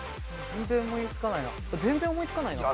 全然思いつかないな。